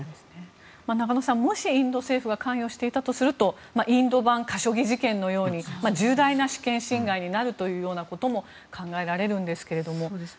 中野さんもし、インド政府が関与していたとするとインド版カショギ事件のように重大な主権侵害になるということも考えられるんですけれども。